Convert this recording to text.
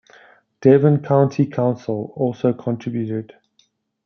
Devon County Council also contributed.